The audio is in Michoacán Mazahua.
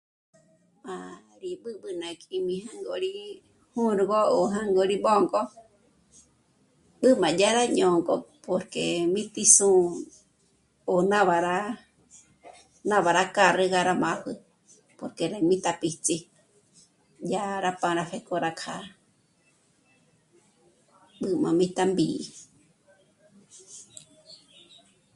Má rí b'ǚb'ü ná kjí'mi jângo rí jûrgö ó jângo rí b'ö̌nk'o, b'ǚ' má yá rá ñö̌nk'o porque mí ti sù'u ó n'ábara, n'ábara carga rá màpjü porque ndé rá mí tá píts'i dyá rá pára pjéko rá kjâ'a b'ǚ' má bí támbí'i